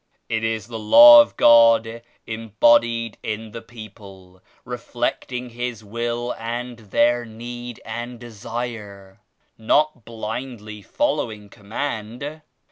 It is the Law of God embodied in the people, reflecting His Will and their need and desire; not blindly following command."